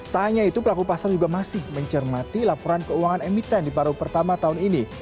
tak hanya itu pelaku pasar juga masih mencermati laporan keuangan emiten di paruh pertama tahun ini